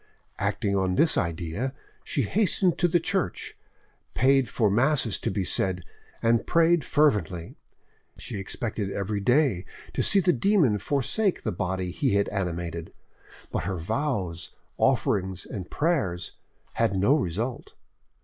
Acting on this idea, she hastened to the church, paid for masses to be said, and prayed fervently. She expected every day to see the demon forsake the body he had animated, but her vows, offerings, and prayers had no result.